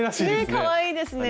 かわいいですね。